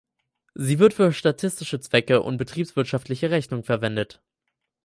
Sie wird für statistische Zwecke und betriebswirtschaftliche Rechnungen verwendet.